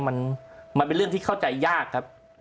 มันเป็นเรื่องที่เข้าใจยากครับ